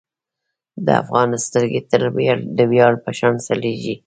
د افغان سترګې تل د ویاړ په شان ځلیږي.